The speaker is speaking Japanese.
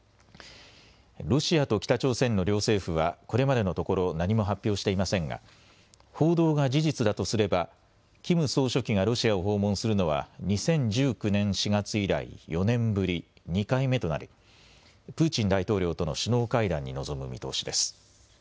ロシアと北朝鮮の両政府はこれまでのところ何も発表していませんが報道が事実だとすればキム総書記がロシアを訪問するのは２０１９年４月以来、４年ぶり２回目となりプーチン大統領との首脳会談に臨む見通しです。